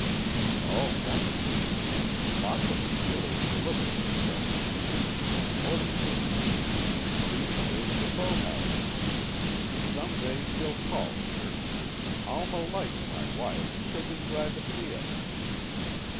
"Oh, that's easy. Lots of the dealers deliver their stuff in canoes or motor boats. See, there's the boathouse. Some day we'll call here. Alma likes my wife, she'll be glad to see us."